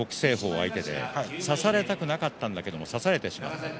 相手で差されたくなかったんだけども差されてしまった。